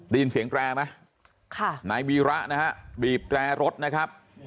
ได้ยินเสียงแตรไหมค่ะนายวีระนะฮะบีบแตรรถนะครับ